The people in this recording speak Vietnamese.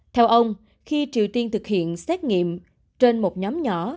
theo ông khi triều tiên thực hiện xét nghiệm trên một nhóm nhỏ